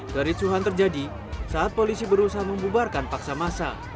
kericuhan terjadi saat polisi berusaha membubarkan paksa masa